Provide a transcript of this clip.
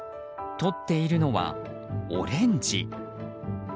とっているのは、オレンジ。